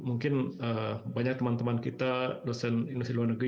mungkin banyak teman teman kita dosen industri luar negeri